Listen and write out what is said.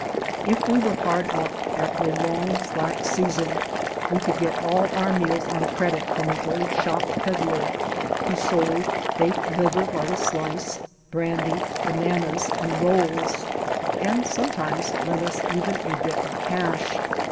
If we were hard up after a long, slack season, we could get all our meals on credit from the old shop peddler, who sold baked liver by the slice, brandy, bananas, and rolls, and sometimes lent us even a bit of cash.